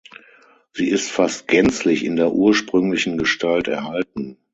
Sie ist fast gänzlich in der ursprünglichen Gestalt erhalten.